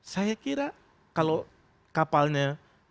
saya kira kalau kapalnya